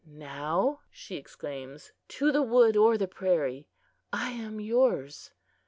"Now," she exclaims, "to the wood or the prairie! I am yours!"